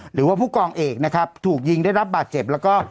หรือว่าผู้กองเอกนะครับถูกยิงได้รับบาดเจ็บแล้วก็